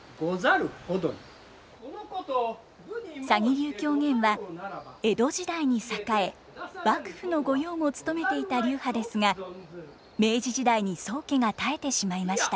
鷺流狂言は江戸時代に栄え幕府の御用も務めていた流派ですが明治時代に宗家が絶えてしまいました。